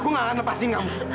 aku gak mau kamu lepasin